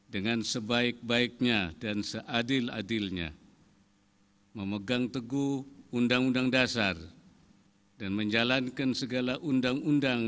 dengan seadil adilnya memegang teguh undang undang dasar dan menjalankan segala undang undang